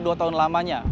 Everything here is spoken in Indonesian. dua tahun lamanya